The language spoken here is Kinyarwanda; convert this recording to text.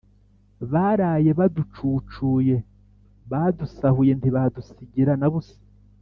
baraye baducucuye, badusahuye ntibadusigira na busa.